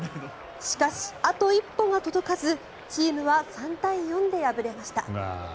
しかし、あと一歩が届かずチームは３対４で敗れました。